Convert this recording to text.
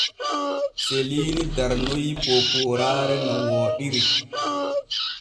Seliini darnoy poopooraare no wooɗiri.